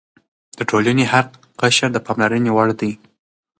د ټولنې هر قشر د پاملرنې وړ دی.